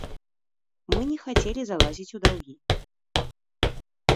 Мы не хацелі залазіць у даўгі.